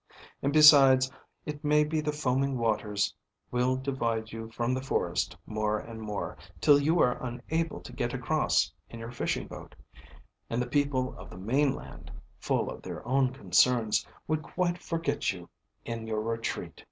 And besides, it may be the foaming waters will divide you from the forest more and more, till you are unable to get across in your fishing boat; and the people of the mainland, full of their own concerns, would quite forget you in your retreat."